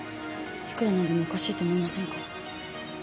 いくら何でもおかしいと思いませんか？